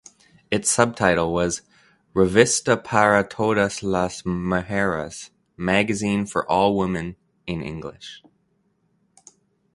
Its subtitle was "Revista para todas las mujeres" ("Magazine For All Women" in English).